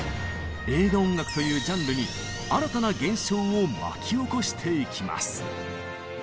映画音楽というジャンルに新たな現象を巻き起こしていきます。